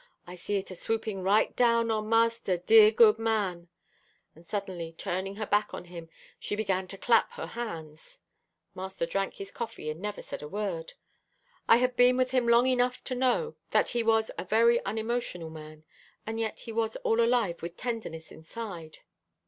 I see it a swoopin' right down on Mister, dear, good man," and suddenly turning her back on him, she began to clap her hands. Master drank his coffee, and never said a word. I had been with him long enough to know, that he was a very unemotional man, and yet he was all alive with tenderness inside.